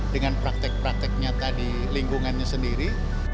dengan praktek praktek nyata di lingkungannya sendiri